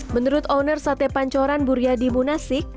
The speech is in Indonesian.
menurut owner sate pancoran buryadi munasik